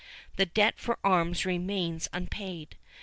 The debt for the arms remains unpaid.